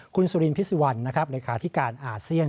คุณสุรินพิศิวัณย์เอกาทิการอาเซียน